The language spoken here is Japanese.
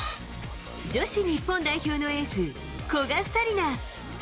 女子日本代表のエース、古賀紗理那。